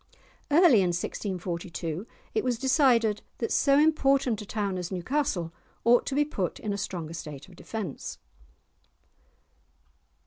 Early in 1642 it was decided that so important a town as Newcastle ought to be put in a stronger state of defence.